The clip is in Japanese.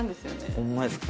ホンマですか？